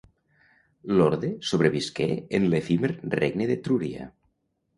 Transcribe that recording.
L'orde sobrevisqué en l'efímer Regne d'Etrúria.